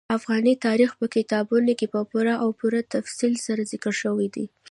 افغاني تاریخ په کتابونو کې په پوره او پوره تفصیل سره ذکر شوی دي.